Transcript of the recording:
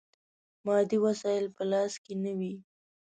مادي وسایل په لاس کې نه وي.